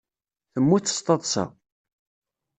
Temmut s taḍsa.